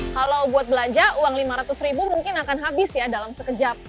kalau buat belanja uang lima ratus ribu mungkin akan habis ya dalam sekejap